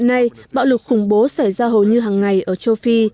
các nạn nhân liên quan đến cuộc xung đột khủng bố xảy ra hầu như hàng ngày ở châu phi